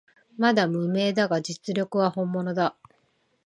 まだ無名だが実力は本物だ